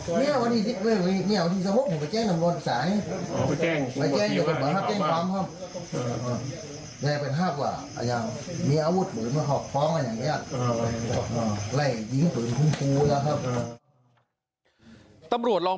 เมื่อวันนี้สมมุติผมไปแจ้งสำรวจสาย